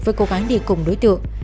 với cô gái đi cùng đối tượng